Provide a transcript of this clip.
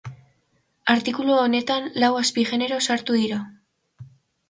Artikulu honetan lau azpigenero sartu dira.